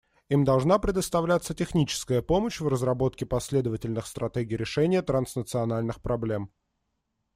Им должна предоставляться техническая помощь в разработке последовательных стратегий решения транснациональных проблем.